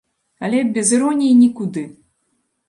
Але, без іроніі нікуды!